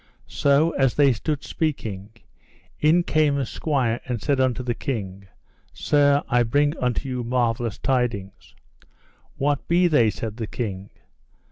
So, as they stood speaking, in came a squire and said unto the king: Sir, I bring unto you marvellous tidings. What be they? said the king.